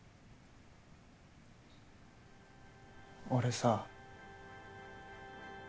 俺さ。